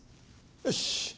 よし。